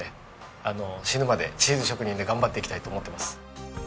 死ぬまでチーズ職人で頑張っていきたいと思ってます。